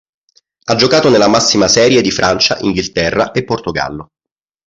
Ha giocato nella massima serie di Francia, Inghilterra e Portogallo.